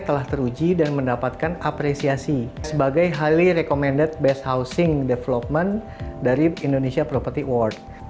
telah teruji dan mendapatkan apresiasi sebagai highly recommended best housing development dari indonesia property award